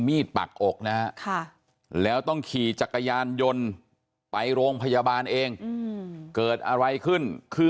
ปักอกนะฮะแล้วต้องขี่จักรยานยนต์ไปโรงพยาบาลเองเกิดอะไรขึ้นคือ